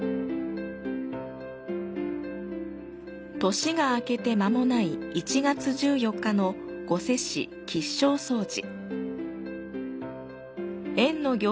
年が明けて間もない１月１４日の御所市、吉祥草寺。